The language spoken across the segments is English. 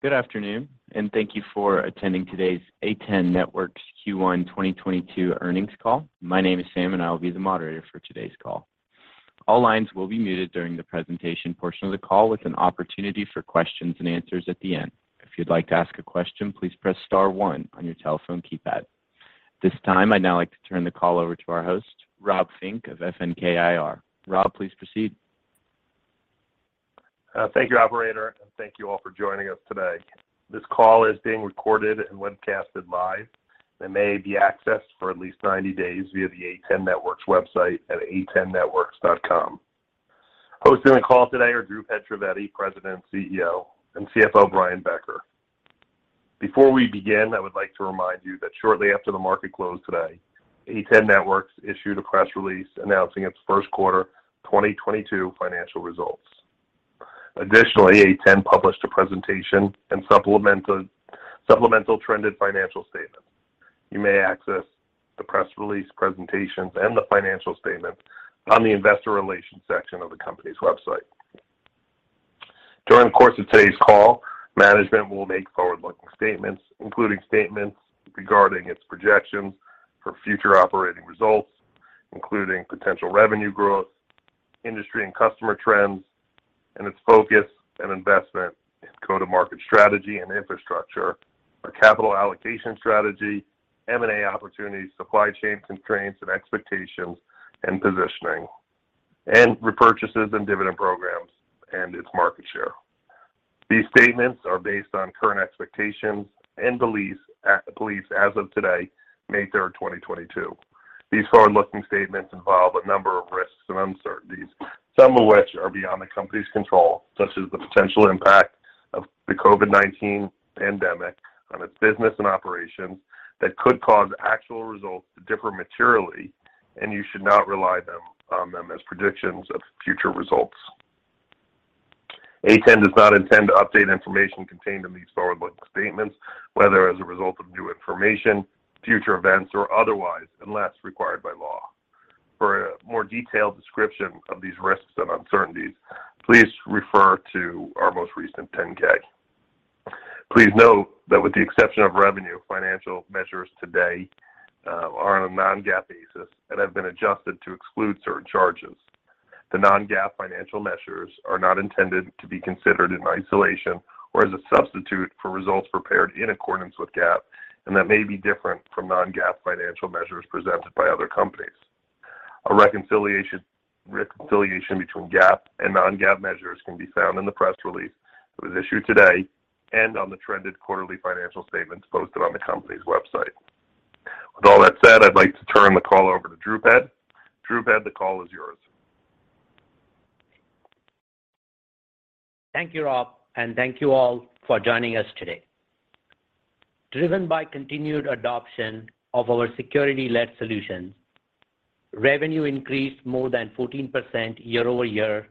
Good afternoon, and thank you for attending today's A10 Networks Q1 2022 earnings call. My name is Sam, and I will be the moderator for today's call. All lines will be muted during the presentation portion of the call with an opportunity for questions and answers at the end. If you'd like to ask a question, please press star one on your telephone keypad. At this time, I'd now like to turn the call over to our host, Rob Fink of FNK IR. Rob, please proceed. Thank you, operator, and thank you all for joining us today. This call is being recorded and webcasted live and may be accessed for at least 90 days via the A10 Networks website at a10networks.com. Hosting the call today are Dhrupad Trivedi, President and CEO, and CFO, Brian Becker. Before we begin, I would like to remind you that shortly after the market closed today, A10 Networks issued a press release announcing its first quarter 2022 financial results. Additionally, A10 published a presentation and supplemental trended financial statement. You may access the press release presentations and the financial statements on the investor relations section of the company's website. During the course of today's call, management will make forward-looking statements, including statements regarding its projections for future operating results, including potential revenue growth, industry and customer trends, and its focus and investment in go-to-market strategy and infrastructure, our capital allocation strategy, M&A opportunities, supply chain constraints and expectations and positioning, and repurchases and dividend programs and its market share. These statements are based on current expectations and beliefs as of today, May 3rd, 2022. These forward-looking statements involve a number of risks and uncertainties, some of which are beyond the company's control, such as the potential impact of the COVID-19 pandemic on its business and operations that could cause actual results to differ materially, and you should not rely on them as predictions of future results. A10 does not intend to update information contained in these forward-looking statements, whether as a result of new information, future events, or otherwise, unless required by law. For a more detailed description of these risks and uncertainties, please refer to our most recent 10-K. Please note that with the exception of revenue, financial measures today are on a non-GAAP basis and have been adjusted to exclude certain charges. The non-GAAP financial measures are not intended to be considered in isolation or as a substitute for results prepared in accordance with GAAP, and that may be different from non-GAAP financial measures presented by other companies. A reconciliation between GAAP and non-GAAP measures can be found in the press release that was issued today and on the trended quarterly financial statements posted on the company's website. With all that said, I'd like to turn the call over to Dhrupad Trivedi. Dhrupad, the call is yours. Thank you, Rob, and thank you all for joining us today. Driven by continued adoption of our security-led solutions, revenue increased more than 14% year-over-year,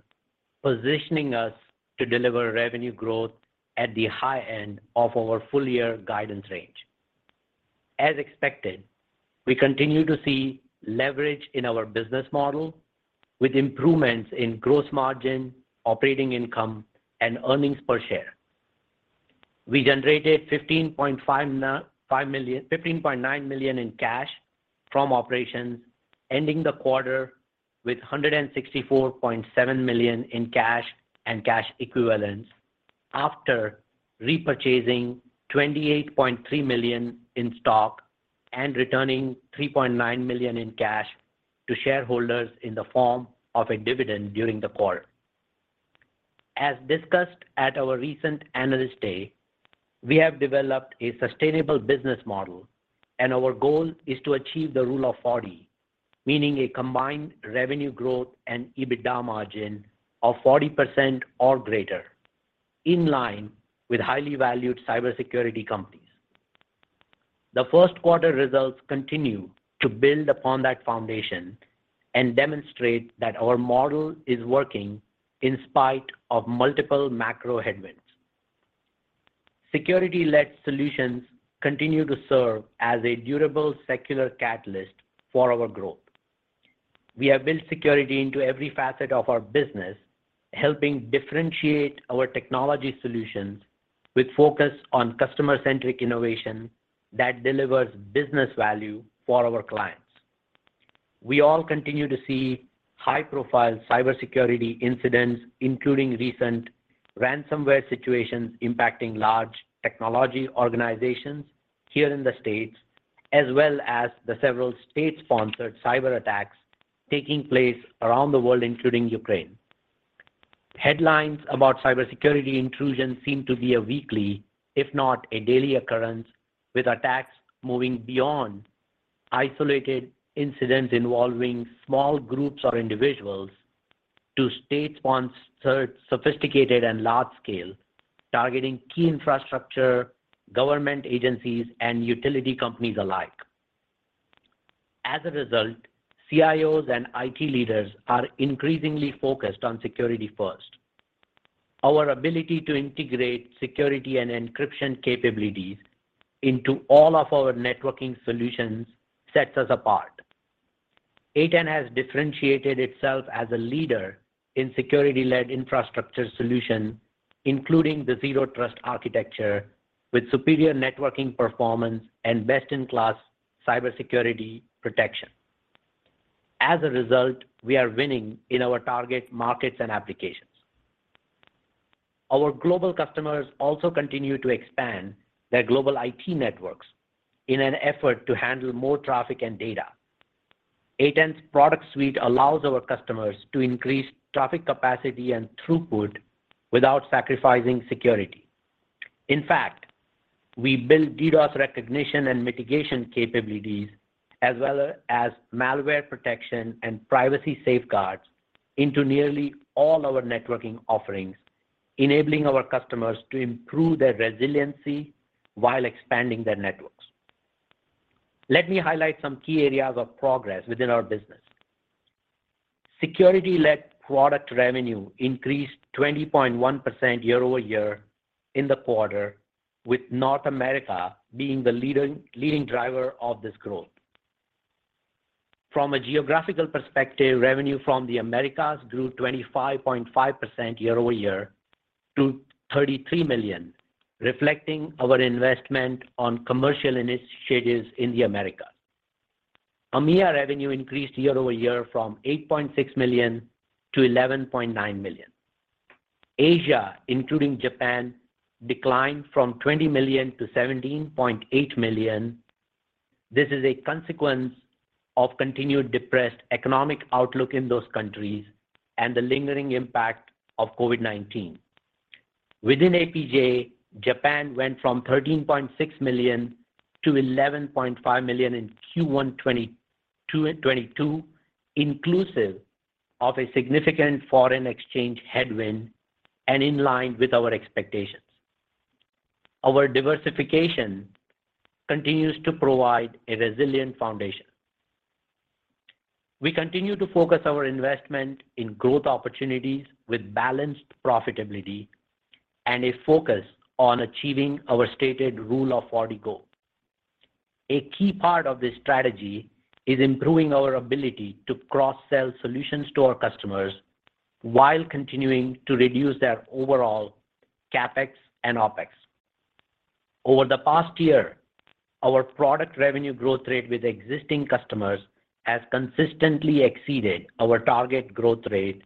positioning us to deliver revenue growth at the high end of our full year guidance range. As expected, we continue to see leverage in our business model with improvements in gross margin, operating income, and earnings per share. We generated $15.9 million in cash from operations, ending the quarter with $164.7 million in cash and cash equivalents after repurchasing $28.3 million in stock and returning $3.9 million in cash to shareholders in the form of a dividend during the quarter. As discussed at our recent Analyst Day, we have developed a sustainable business model, and our goal is to achieve the Rule of 40, meaning a combined revenue growth and EBITDA margin of 40% or greater, in line with highly valued cybersecurity companies. The first quarter results continue to build upon that foundation and demonstrate that our model is working in spite of multiple macro headwinds. Security-led solutions continue to serve as a durable secular catalyst for our growth. We have built security into every facet of our business, helping differentiate our technology solutions with focus on customer-centric innovation that delivers business value for our clients. We all continue to see high-profile cybersecurity incidents, including recent ransomware situations impacting large technology organizations here in the States, as well as the several state-sponsored cyberattacks taking place around the world, including Ukraine. Headlines about cybersecurity intrusions seem to be a weekly, if not a daily occurrence, with attacks moving beyond isolated incidents involving small groups or individuals to state-sponsored, sophisticated, and large-scale, targeting key infrastructure, government agencies, and utility companies alike. As a result, CIOs and IT leaders are increasingly focused on security first. Our ability to integrate security and encryption capabilities into all of our networking solutions sets us apart. A10 has differentiated itself as a leader in security-led infrastructure solution, including the Zero Trust architecture with superior networking performance and best-in-class cybersecurity protection. As a result, we are winning in our target markets and applications. Our global customers also continue to expand their global IT networks in an effort to handle more traffic and data. A10's product suite allows our customers to increase traffic capacity and throughput without sacrificing security. In fact, we build DDoS recognition and mitigation capabilities as well as malware protection and privacy safeguards into nearly all our networking offerings, enabling our customers to improve their resiliency while expanding their networks. Let me highlight some key areas of progress within our business. Security-led product revenue increased 20.1% year-over-year in the quarter, with North America being the leading driver of this growth. From a geographical perspective, revenue from the Americas grew 25.5% year-over-year to $33 million, reflecting our investment on commercial initiatives in the Americas. EMEA revenue increased year-over-year from $8.6 million to $11.9 million. Asia, including Japan, declined from $20 million to $17.8 million. This is a consequence of continued depressed economic outlook in those countries and the lingering impact of COVID-19. Within APJ, Japan went from $13.6 million to $11.5 million in Q1 2022, inclusive of a significant foreign exchange headwind and in line with our expectations. Our diversification continues to provide a resilient foundation. We continue to focus our investment in growth opportunities with balanced profitability and a focus on achieving our stated Rule of 40 goal. A key part of this strategy is improving our ability to cross-sell solutions to our customers while continuing to reduce their overall CapEx and OpEx. Over the past year, our product revenue growth rate with existing customers has consistently exceeded our target growth rate,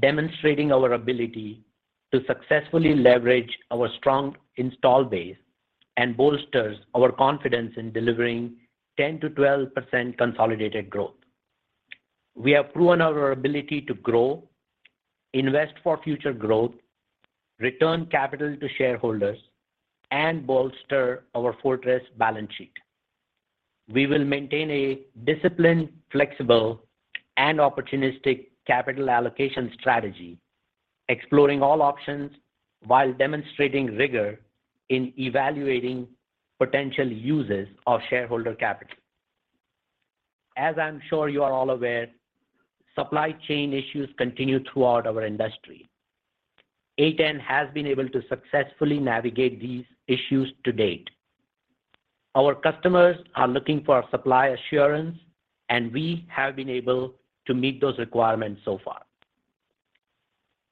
demonstrating our ability to successfully leverage our strong install base and bolsters our confidence in delivering 10%-12% consolidated growth. We have proven our ability to grow, invest for future growth, return capital to shareholders, and bolster our fortress balance sheet. We will maintain a disciplined, flexible, and opportunistic capital allocation strategy, exploring all options while demonstrating rigor in evaluating potential uses of shareholder capital. As I'm sure you are all aware, supply chain issues continue throughout our industry. A10 has been able to successfully navigate these issues to date. Our customers are looking for supply assurance, and we have been able to meet those requirements so far.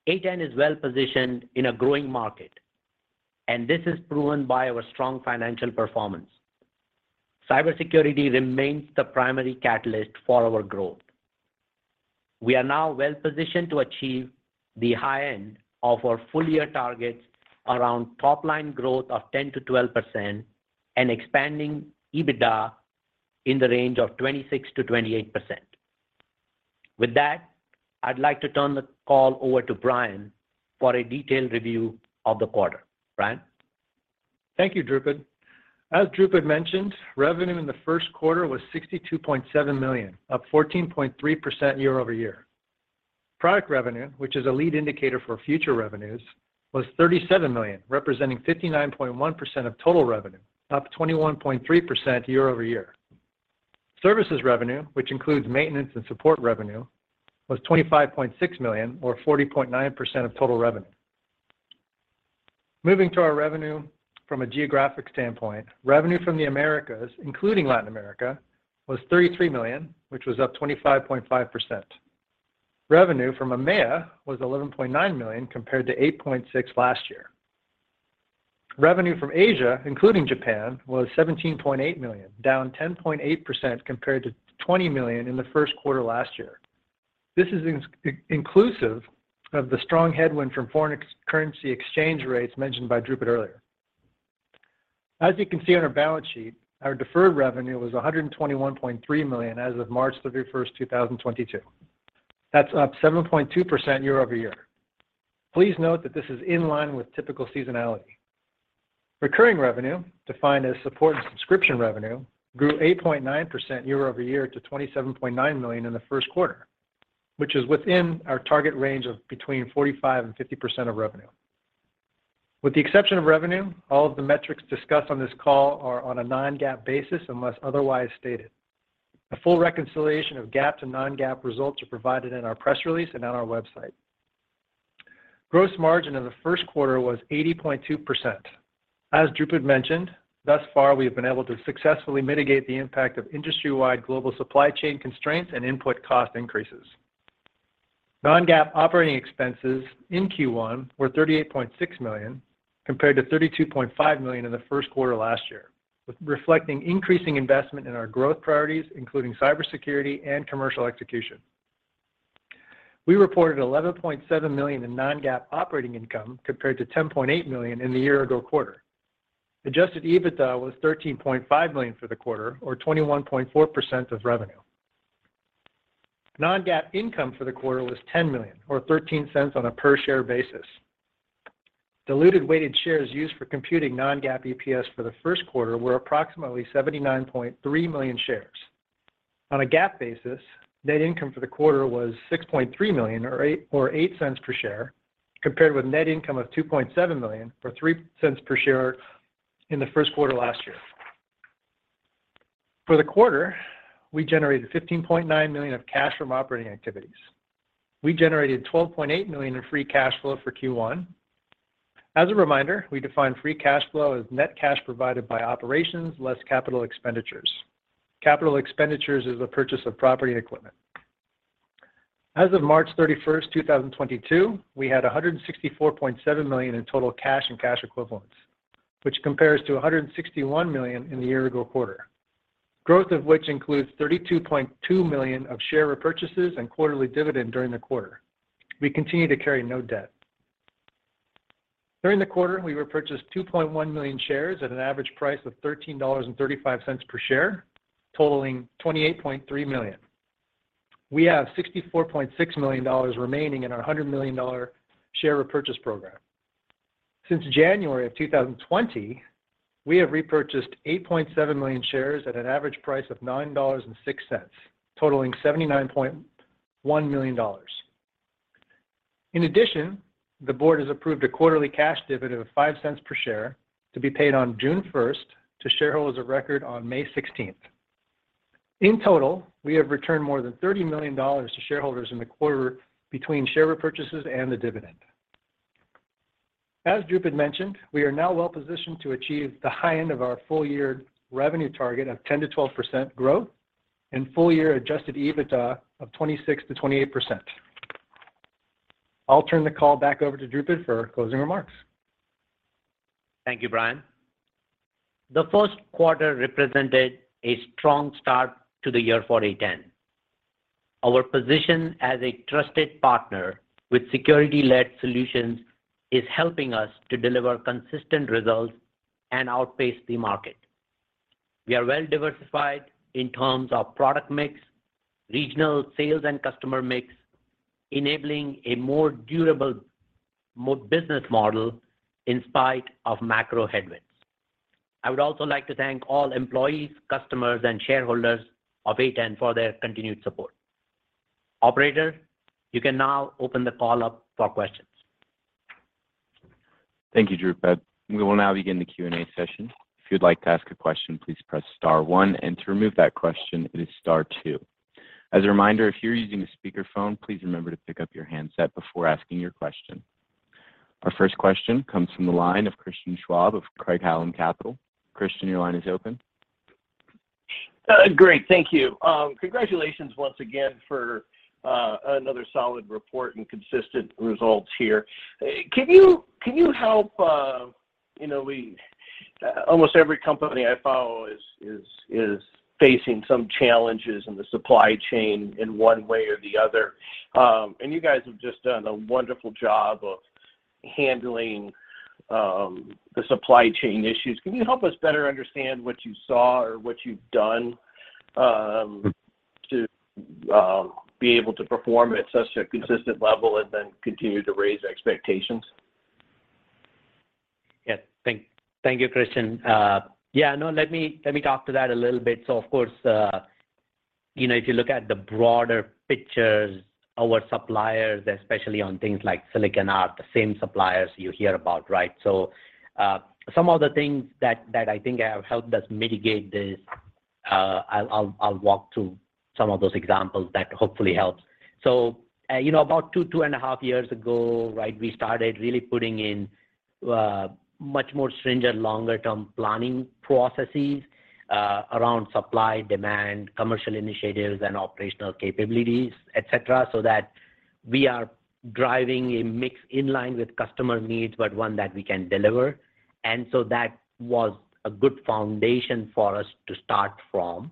A10 is well-positioned in a growing market, and this is proven by our strong financial performance. Cybersecurity remains the primary catalyst for our growth. We are now well-positioned to achieve the high end of our full year targets around top-line growth of 10%-12% and expanding EBITDA in the range of 26%-28%. With that, I'd like to turn the call over to Brian for a detailed review of the quarter. Brian. Thank you, Dhrupad. As Dhrupad mentioned, revenue in the first quarter was $62.7 million, up 14.3% year-over-year. Product revenue, which is a lead indicator for future revenues, was $37 million, representing 59.1% of total revenue, up 21.3% year-over-year. Services revenue, which includes maintenance and support revenue, was $25.6 million or 40.9% of total revenue. Moving to our revenue from a geographic standpoint, revenue from the Americas, including Latin America, was $33 million, which was up 25.5%. Revenue from EMEA was $11.9 million compared to $8.6 million last year. Revenue from Asia, including Japan, was $17.8 million, down 10.8% compared to $20 million in the first quarter last year. This is inclusive of the strong headwind from foreign currency exchange rates mentioned by Dhrupad earlier. As you can see on our balance sheet, our deferred revenue was $121.3 million as of March 31st, 2022. That's up 7.2% year-over-year. Please note that this is in line with typical seasonality. Recurring revenue, defined as support and subscription revenue, grew 8.9% year-over-year to $27.9 million in the first quarter, which is within our target range of between 45%-50% of revenue. With the exception of revenue, all of the metrics discussed on this call are on a non-GAAP basis unless otherwise stated. A full reconciliation of GAAP to non-GAAP results are provided in our press release and on our website. Gross margin in the first quarter was 80.2%. As Dhrupad mentioned, thus far we have been able to successfully mitigate the impact of industry-wide global supply chain constraints and input cost increases. Non-GAAP operating expenses in Q1 were $38.6 million, compared to $32.5 million in the first quarter last year, with reflecting increasing investment in our growth priorities, including cybersecurity and commercial execution. We reported $11.7 million in non-GAAP operating income, compared to $10.8 million in the year-ago quarter. Adjusted EBITDA was $13.5 million for the quarter, or 21.4% of revenue. Non-GAAP income for the quarter was $10 million, or $0.13 on a per-share basis. Diluted weighted shares used for computing non-GAAP EPS for the first quarter were approximately 79.3 million shares. On a GAAP basis, net income for the quarter was $6.3 million, or $0.08 per share, compared with net income of $2.7 million, or $0.03 per share in the first quarter last year. For the quarter, we generated $15.9 million of cash from operating activities. We generated $12.8 million in free cash flow for Q1. As a reminder, we define free cash flow as net cash provided by operations less capital expenditures. Capital expenditures is the purchase of property and equipment. As of March 31st, 2022, we had $164.7 million in total cash and cash equivalents, which compares to $161 million in the year-ago quarter. Growth of which includes $32.2 million of share repurchases and quarterly dividend during the quarter. We continue to carry no debt. During the quarter, we repurchased 2.1 million shares at an average price of $13.35 per share, totaling $28.3 million. We have $64.6 million remaining in our $100 million share repurchase program. Since January of 2020, we have repurchased 8.7 million shares at an average price of $9.06, totaling $79.1 million. In addition, the board has approved a quarterly cash dividend of $0.05 per share to be paid on June first to shareholders of record on May 16th. In total, we have returned more than $30 million to shareholders in the quarter between share repurchases and the dividend. As Dhrupad mentioned, we are now well-positioned to achieve the high end of our full year revenue target of 10%-12% growth and full year adjusted EBITDA of 26%-28%. I'll turn the call back over to Dhrupad for closing remarks. Thank you, Brian. The first quarter represented a strong start to the year for A10. Our position as a trusted partner with security-led solutions is helping us to deliver consistent results and outpace the market. We are well-diversified in terms of product mix, regional sales and customer mix, enabling a more durable business model in spite of macro headwinds. I would also like to thank all employees, customers, and shareholders of A10 for their continued support. Operator, you can now open the call up for questions. Thank you, Dhrupad. We will now begin the Q&A session. If you'd like to ask a question, please press star one, and to remove that question, it is star two. As a reminder, if you're using a speakerphone, please remember to pick up your handset before asking your question. Our first question comes from the line of Christian Schwab of Craig-Hallum Capital. Christian, your line is open. Great, thank you. Congratulations once again for another solid report and consistent results here. Can you help, you know, almost every company I follow is facing some challenges in the supply chain in one way or the other. You guys have just done a wonderful job of handling the supply chain issues. Can you help us better understand what you saw or what you've done to be able to perform at such a consistent level and then continue to raise expectations? Yeah. Thank you Christian. Yeah, no, let me talk to that a little bit. Of course, you know, if you look at the broader pictures, our suppliers, especially on things like silicon, are the same suppliers you hear about, right? Some of the things that I think have helped us mitigate this, I'll walk through some of those examples that hopefully helps. You know, about two and half years ago, right, we started really putting in much more stringent longer-term planning processes around supply, demand, commercial initiatives, and operational capabilities, et cetera, so that we are driving a mix in line with customer needs, but one that we can deliver. That was a good foundation for us to start from.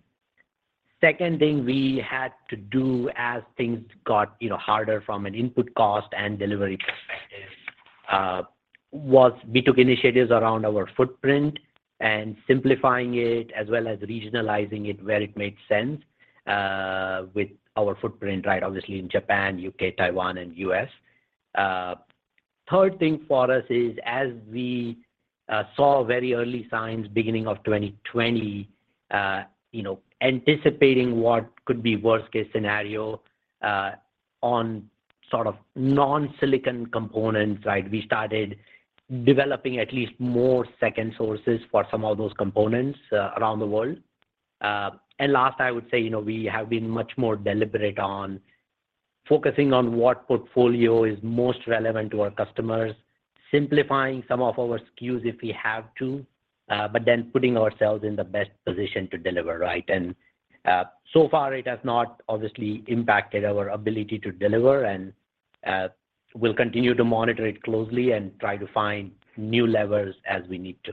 Second thing we had to do as things got, you know, harder from an input cost and delivery perspective, was we took initiatives around our footprint and simplifying it, as well as regionalizing it where it made sense, with our footprint, right, obviously in Japan, U.K., Taiwan, and U.S. Third thing for us is, as we saw very early signs beginning of 2020, you know, anticipating what could be worst case scenario, on sort of non-silicon components, right, we started developing at least more second sources for some of those components, around the world. Last, I would say, you know, we have been much more deliberate on focusing on what portfolio is most relevant to our customers, simplifying some of our SKUs if we have to, but then putting ourselves in the best position to deliver, right? So far it has not obviously impacted our ability to deliver, and we'll continue to monitor it closely and try to find new levers as we need to.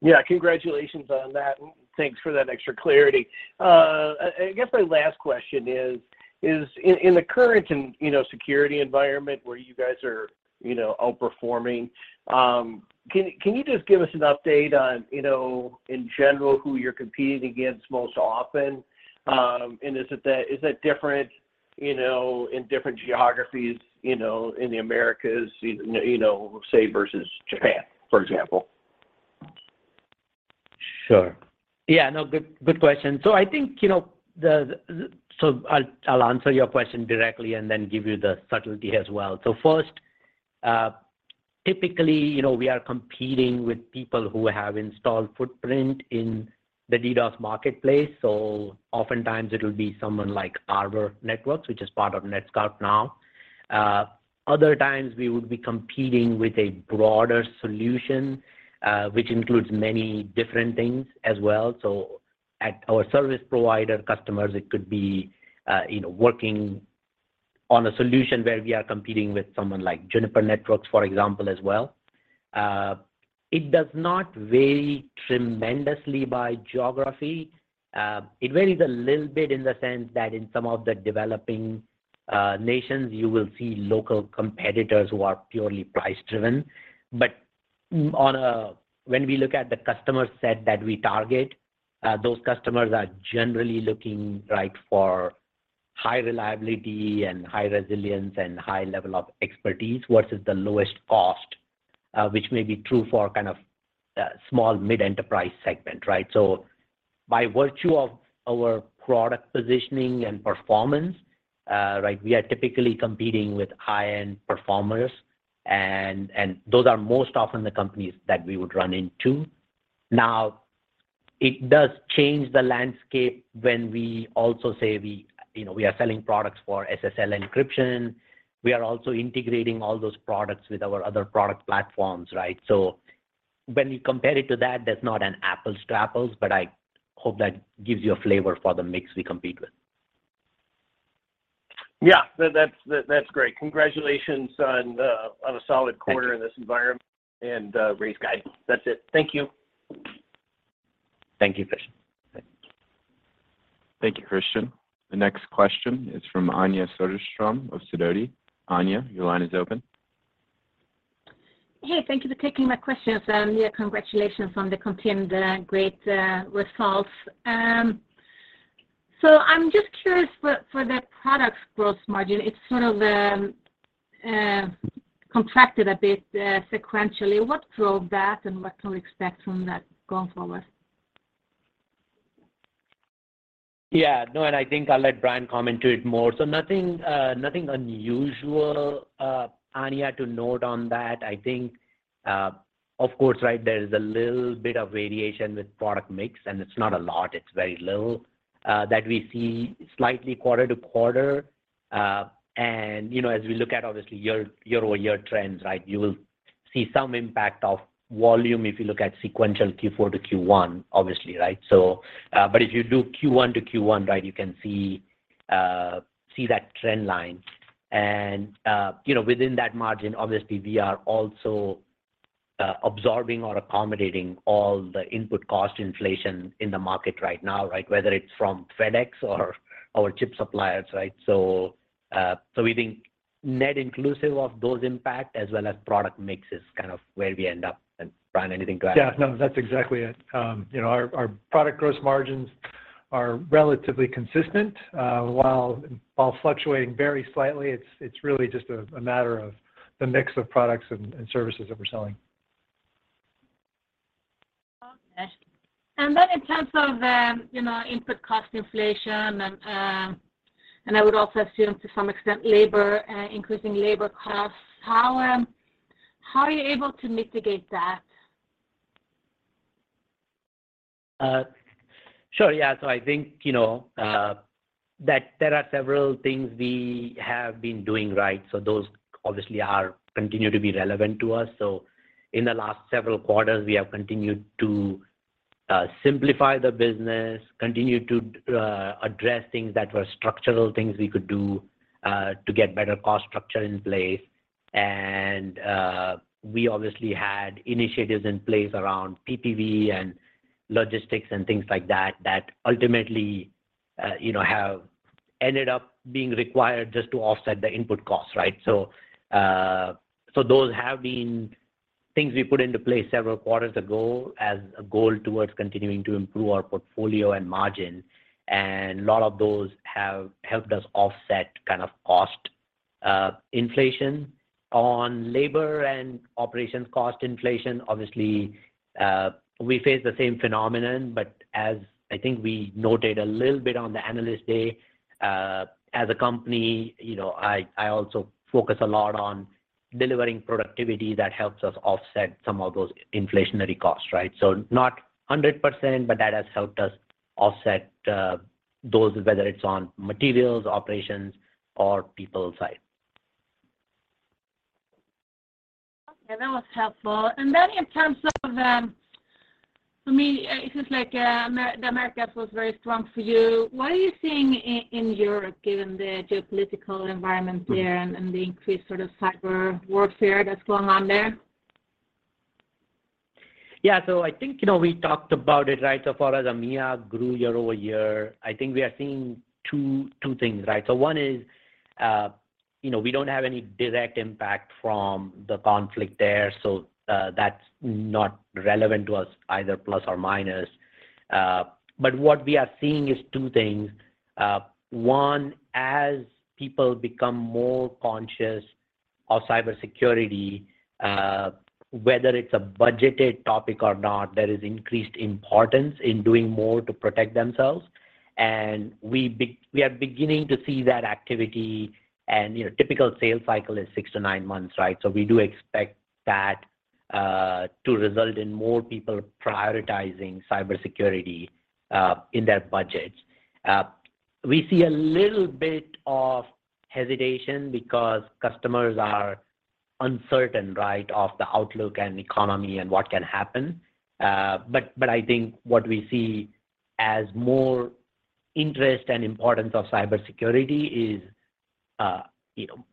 Yeah. Congratulations on that, and thanks for that extra clarity. I guess my last question is in the current and, you know, security environment where you guys are, you know, outperforming, can you just give us an update on, you know, in general who you're competing against most often? And is that different, you know, in different geographies, you know, in the Americas, you know, say versus Japan, for example? Sure. Yeah. No, good question. I think, you know, I'll answer your question directly and then give you the subtlety as well. First, typically, you know, we are competing with people who have installed footprint in the DDoS marketplace. Oftentimes it'll be someone like Arbor Networks, which is part of NetScout now. Other times we would be competing with a broader solution, which includes many different things as well. At our service provider customers, it could be, you know, working on a solution where we are competing with someone like Juniper Networks, for example, as well. It does not vary tremendously by geography. It varies a little bit in the sense that in some of the developing nations, you will see local competitors who are purely price driven. When we look at the customer set that we target, those customers are generally looking, right, for high reliability and high resilience and high level of expertise versus the lowest cost, which may be true for kind of, small mid-enterprise segment, right? By virtue of our product positioning and performance, right, we are typically competing with high-end performers, and those are most often the companies that we would run into. Now, it does change the landscape when we also say we are selling products for SSL encryption. We are also integrating all those products with our other product platforms, right? When you compare it to that's not an apples to apples, but I hope that gives you a flavor for the mix we compete with. Yeah. That's great. Congratulations on a solid quarter in this environment. Great skies. That's it. Thank you. Thank you Christian. Thank you Christian. The next question is from Anja Soderstrom of Sidoti. Anja, your line is open. Hey, thank you for taking my questions. Yeah, congratulations on the continued great results. I'm just curious for the product gross margin. It's sort of contracted a bit sequentially. What drove that, and what can we expect from that going forward? Yeah. No, I think I'll let Brian comment to it more. Nothing unusual, Anja, to note on that. I think, of course, right, there is a little bit of variation with product mix, and it's not a lot, it's very little, that we see slightly quarter to quarter. You know, as we look at obviously year-over-year trends, right, you will see some impact of volume if you look at sequential Q4 to Q1, obviously, right? If you do Q1 to Q1, right, you can see that trend line. You know, within that margin, obviously, we are also absorbing or accommodating all the input cost inflation in the market right now, right? Whether it's from FedEx or our chip suppliers, right? We think net inclusive of those impact as well as product mix is kind of where we end up. Brian, anything to add? Yeah. No, that's exactly it. You know, our product gross margins are relatively consistent, while fluctuating very slightly. It's really just a matter of the mix of products and services that we're selling. Okay. Then, in terms of, you know, input cost inflation and I would also assume to some extent labor, increasing labor costs, how are you able to mitigate that? Sure. Yeah. I think, you know, that there are several things we have been doing right. Those obviously are continuing to be relevant to us. In the last several quarters we have continued to simplify the business, address things that were structural things we could do to get better cost structure in place. We obviously had initiatives in place around PPV and logistics and things like that that ultimately, you know, have ended up being required just to offset the input costs, right? Those have been things we put into place several quarters ago as a goal towards continuing to improve our portfolio and margin, and a lot of those have helped us offset kind of cost inflation. On labor and operations cost inflation, obviously, we face the same phenomenon, but as I think we noted a little bit on the Analyst Day, as a company, you know, I also focus a lot on delivering productivity that helps us offset some of those inflationary costs, right? So not 100%, but that has helped us offset those, whether it's on materials, operations, or people side. Okay, that was helpful. Then in terms of, for me, it seems like, the Americas was very strong for you. What are you seeing in Europe, given the geopolitical environment there and the increased sort of cyber warfare that's going on there? Yeah. I think, you know, we talked about it, right? For us, EMEA grew year-over-year. I think we are seeing two things, right? One is, you know, we don't have any direct impact from the conflict there, so, that's not relevant to us either plus or minus. But what we are seeing is two things. One, as people become more conscious of cybersecurity, whether it's a budgeted topic or not, there is increased importance in doing more to protect themselves and we are beginning to see that activity. You know, typical sales cycle is six to nine months, right? We do expect that to result in more people prioritizing cybersecurity in their budgets. We see a little bit of hesitation because customers are uncertain, right, of the outlook and economy and what can happen. I think what we see as more interest and importance of cybersecurity is, you know,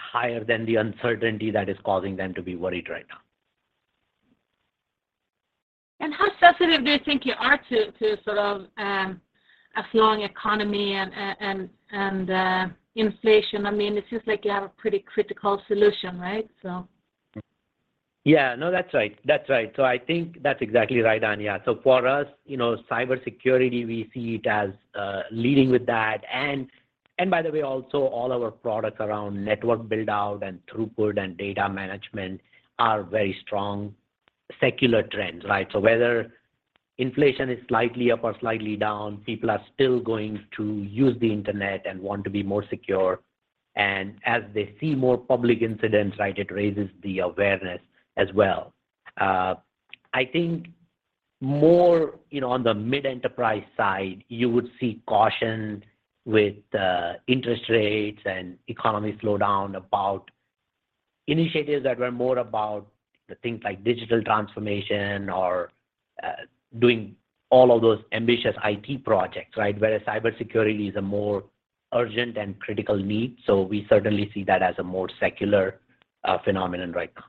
higher than the uncertainty that is causing them to be worried right now. How sensitive do you think you are to sort of a slowing economy and inflation? I mean, it seems like you have a pretty critical solution, right? So? Yeah. No, that's right. That's right. I think that's exactly right, Anja. For us, you know, cybersecurity, we see it as leading with that. By the way, also all our products around network build-out and throughput and data management are very strong secular trends, right? Whether inflation is slightly up or slightly down, people are still going to use the internet and want to be more secure. As they see more public incidents, right, it raises the awareness as well. I think more, you know, on the mid-enterprise side, you would see caution with interest rates and economic slowdown about initiatives that were more about the things like digital transformation or doing all of those ambitious IT projects, right? Whereas cybersecurity is a more urgent and critical need, so we certainly see that as a more secular phenomenon right now.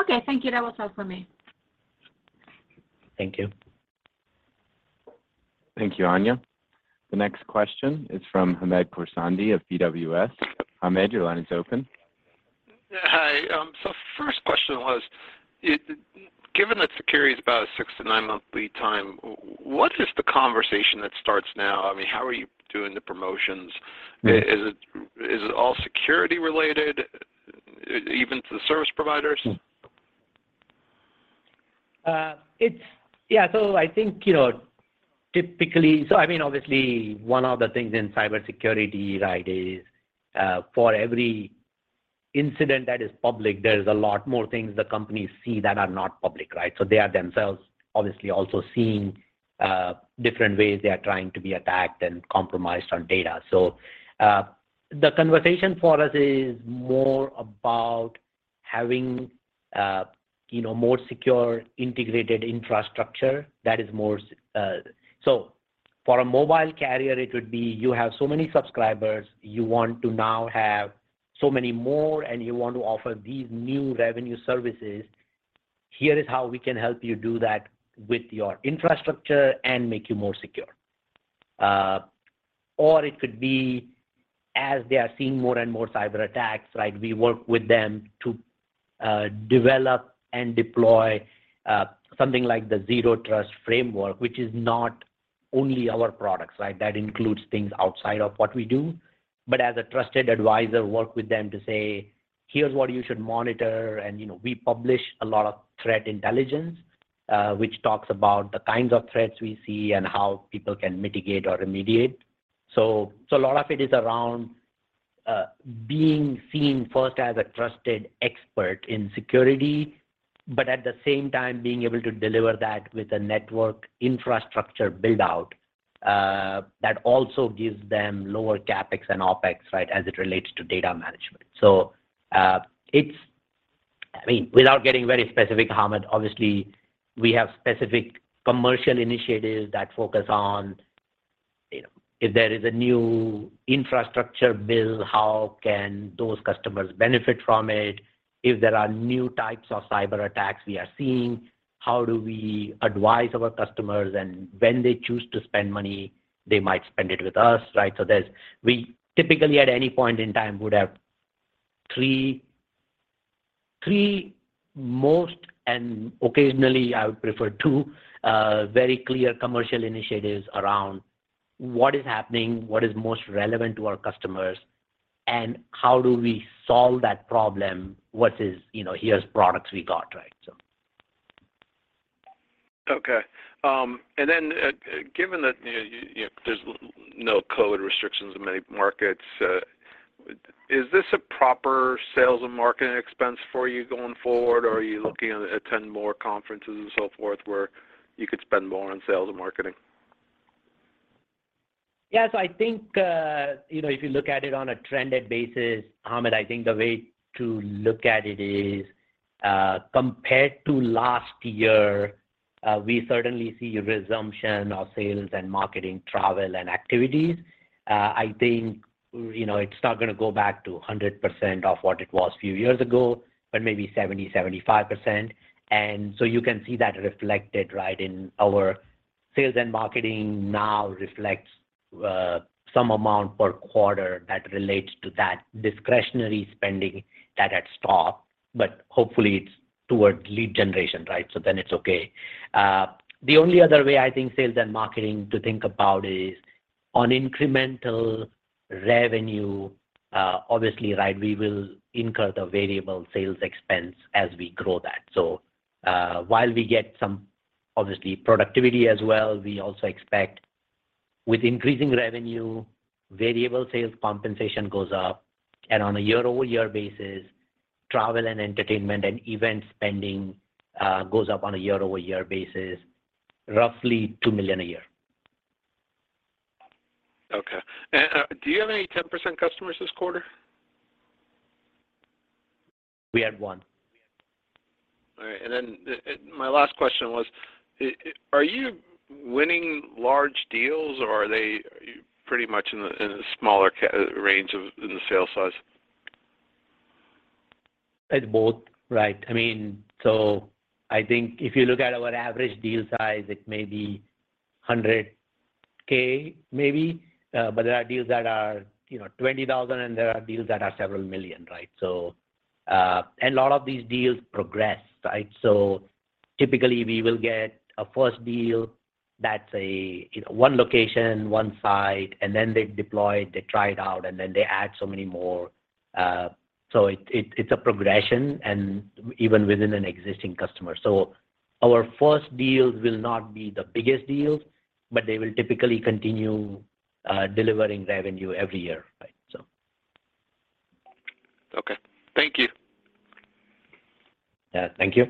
Okay. Thank you. That was all for me. Thank you. Thank you Anja. The next question is from Hamed Khorsand of BWS. Hamed, your line is open. Hi. First question was, given that security is about a six to nine-month lead time, what is the conversation that starts now? I mean, how are you doing the promotions? Is it all security-related, even to the service providers? Yeah, I think, you know, typically, I mean, obviously, one of the things in cybersecurity, right, is for every incident that is public, there's a lot more things the companies see that are not public, right? They are themselves obviously also seeing different ways they are trying to be attacked and compromised on data. The conversation for us is more about having, you know, more secure integrated infrastructure that is more. For a mobile carrier, it could be, you have so many subscribers, you want to now have so many more, and you want to offer these new revenue services. Here is how we can help you do that with your infrastructure and make you more secure. It could be as they are seeing more and more cyberattacks, right? We work with them to develop and deploy something like the Zero Trust framework, which is not only our products, right? That includes things outside of what we do. As a trusted advisor, work with them to say, "Here's what you should monitor." You know, we publish a lot of threat intelligence, which talks about the kinds of threats we see and how people can mitigate or remediate. So a lot of it is around being seen first as a trusted expert in security, but at the same time being able to deliver that with a network infrastructure build-out that also gives them lower CapEx and OpEx, right, as it relates to data management. I mean, without getting very specific, Hamed, obviously we have specific commercial initiatives that focus on, you know, if there is a new infrastructure bill, how can those customers benefit from it? If there are new types of cyberattacks we are seeing, how do we advise our customers? And when they choose to spend money, they might spend it with us, right? We typically at any point in time would have three, at most, and occasionally I would prefer two, very clear commercial initiatives around what is happening, what is most relevant to our customers, and how do we solve that problem versus, you know, here's products we got, right? Given that, you know, there's no code restrictions in many markets, is this a proper sales and marketing expense for you going forward or are you looking to attend more conferences and so forth where you could spend more on sales and marketing? Yes, I think, you know, if you look at it on a trended basis, Hamed, I think the way to look at it is, compared to last year, we certainly see a resumption of sales and marketing, travel, and activities. I think, you know, it's not gonna go back to 100% of what it was a few years ago, but maybe 70%-75%. You can see that reflected, right, in our sales and marketing now reflects, some amount per quarter that relates to that discretionary spending that had stopped, but hopefully it's towards lead generation, right? It's okay. The only other way I think sales and marketing to think about is on incremental revenue, obviously, right, we will incur the variable sales expense as we grow that. While we get some obviously productivity as well, we also expect with increasing revenue, variable sales compensation goes up. On a year-over-year basis, travel and entertainment and event spending goes up on a year-over-year basis, roughly $2 million a year. Okay. Do you have any 10% customers this quarter? We had one. All right. My last question was, are you winning large deals or are they pretty much in the smaller range of the sale size? It's both, right. I mean, so I think if you look at our average deal size, it may be $100K, maybe. But there are deals that are, you know, $20,000, and there are deals that are several million, right? A lot of these deals progress, right? Typically, we will get a first deal that's a, you know, one location, one site, and then they deploy it, they try it out, and then they add so many more. It's a progression and even within an existing customer. Our first deals will not be the biggest deals, but they will typically continue delivering revenue every year, right? So. Okay. Thank you. Yeah. Thank you.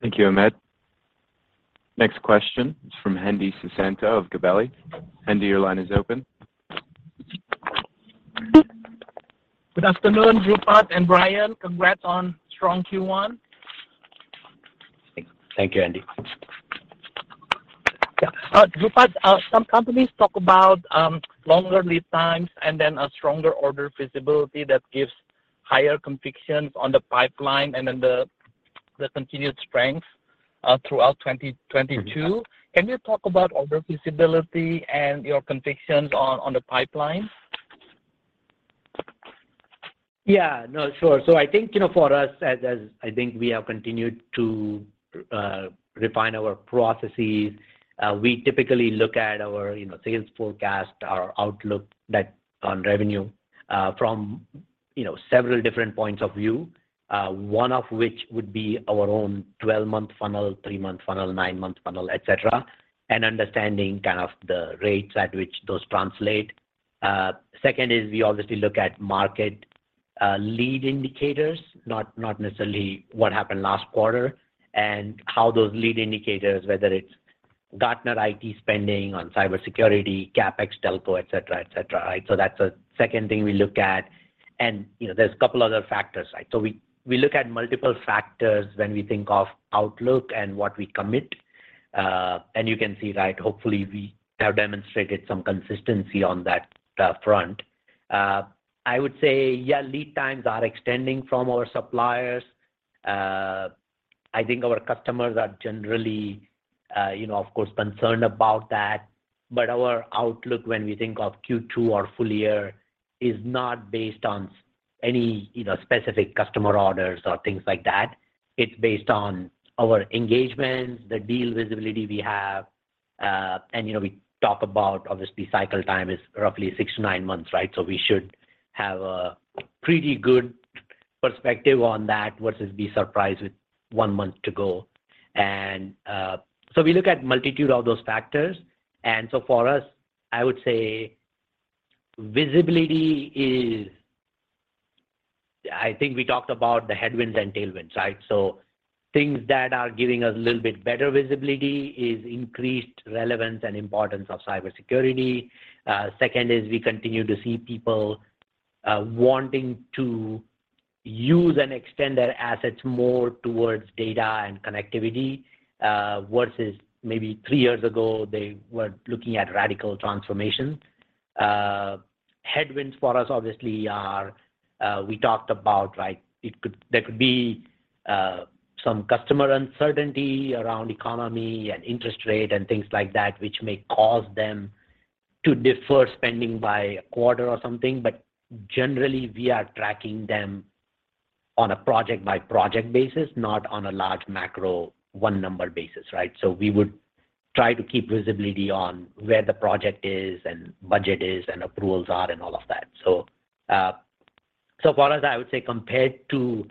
Thank you Hamed. Next question is from Hendi Susanto of Gabelli. Hendi, your line is open. Good afternoon, Dhrupad and Brian. Congrats on strong Q1. Thank you Hendi. Dhrupad, some companies talk about longer lead times and then a stronger order visibility that gives higher convictions on the pipeline and then the continued strength throughout 2022. Can you talk about order visibility and your convictions on the pipeline? Yeah, no, sure. I think, you know, for us as I think we have continued to refine our processes, we typically look at our, you know, sales forecast, our outlook on revenue from, you know, several different points of view, one of which would be our own 12-month funnel, three-month funnel, nine-month funnel, et cetera, and understanding kind of the rates at which those translate. Second is we obviously look at market lead indicators, not necessarily what happened last quarter, and how those lead indicators, whether it's Gartner IT spending on cybersecurity, CapEx, telco, et cetera. Right? That's a second thing we look at. You know, there's a couple other factors, right? We look at multiple factors when we think of outlook and what we commit. You can see, right, hopefully we have demonstrated some consistency on that front. I would say, yeah, lead times are extending from our suppliers. I think our customers are generally, you know, of course, concerned about that. Our outlook when we think of Q2 or full year is not based on any, you know, specific customer orders or things like that. It's based on our engagements, the deal visibility we have, and you know, we talk about obviously cycle time is roughly six to nine months, right? We should have a pretty good perspective on that versus be surprised with one month to go. We look at a multitude of those factors. For us, I would say visibility is, I think we talked about the headwinds and tailwinds, right? Things that are giving us a little bit better visibility is increased relevance and importance of cybersecurity. Second is we continue to see people wanting to use and extend their assets more towards data and connectivity, versus maybe three years ago, they were looking at radical transformation. Headwinds for us obviously are, we talked about, right? There could be some customer uncertainty around economy and interest rate and things like that, which may cause them to defer spending by a quarter or something, but generally, we are tracking them on a project-by-project basis, not on a large macro one number basis, right? We would try to keep visibility on where the project is and budget is and approvals are and all of that. As far as I would say compared to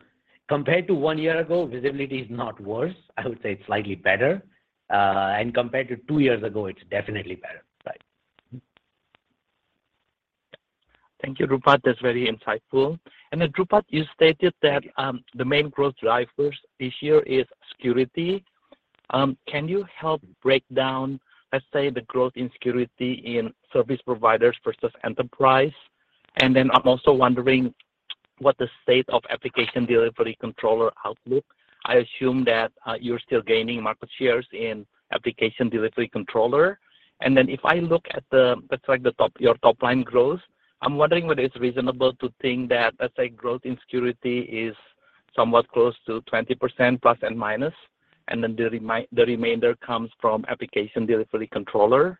one year ago, visibility is not worse. I would say it's slightly better. Compared to two years ago, it's definitely better. Right. Thank you, Dhrupad. That's very insightful. Dhrupad, you stated that the main growth drivers this year is security. Can you help break down, let's say, the growth in security in service providers versus enterprise? I'm also wondering what the state of application delivery controller outlook. I assume that you're still gaining market shares in application delivery controller. If I look at the, like the top, your top line growth, I'm wondering whether it's reasonable to think that, let's say growth in security is somewhat close to 20% plus and minus, and then the remainder comes from application delivery controller?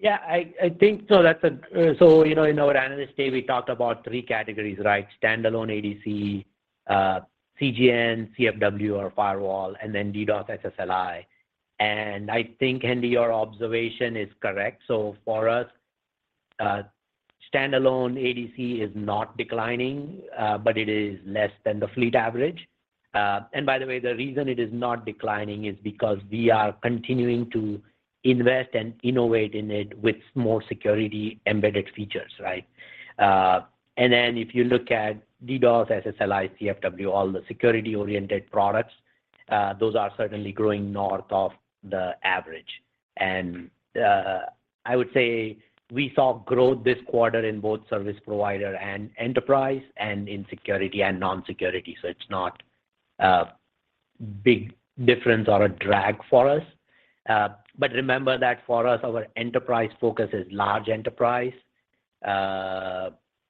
Yeah. I think so. You know, in our Analyst Day, we talked about three categories, right? Standalone ADC, CGN, CFW or firewall, and then DDoS, SSLi. I think, Hendi, your observation is correct. For us, standalone ADC is not declining, but it is less than the fleet average. By the way, the reason it is not declining is because we are continuing to invest and innovate in it with more security embedded features, right? If you look at DDoS, SSLi, CFW, all the security-oriented products, those are certainly growing north of the average. I would say we saw growth this quarter in both service provider and enterprise and in security and non-security. It's not a big difference or a drag for us. Remember that for us, our enterprise focus is large enterprise,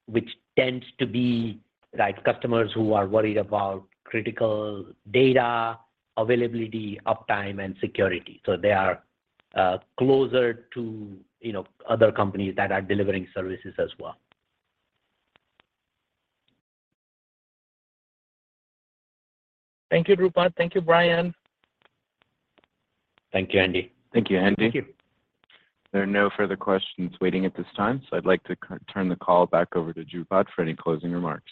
which tends to be like customers who are worried about critical data availability, uptime, and security. They are closer to, you know, other companies that are delivering services as well. Thank you Dhrupad. Thank you Brian. Thank you Hendi. Thank you Hendi. There are no further questions waiting at this time, so I'd like to turn the call back over to Dhrupad for any closing remarks.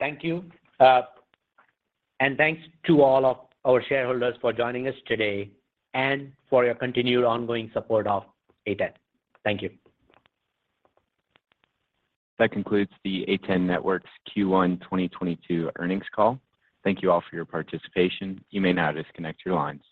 Thank you. Thanks to all of our shareholders for joining us today and for your continued ongoing support of A10. Thank you. That concludes the A10 Networks Q1 2022 earnings call. Thank you all for your participation. You may now disconnect your lines.